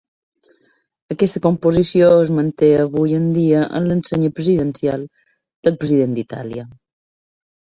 Aquesta composició es manté avui en dia en l'ensenya presidencial del President d'Itàlia.